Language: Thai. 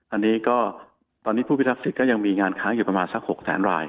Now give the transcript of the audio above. อันนี้ก็ตอนนี้ผู้พิทักษิตก็ยังมีงานค้างอยู่ประมาณสัก๖แสนราย